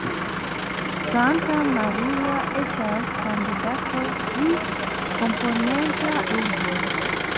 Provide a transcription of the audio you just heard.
Santa Maria estas kandidato pri komponenta urbo.